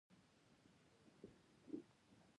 زه د تلویزیون پروګرام خوښوم.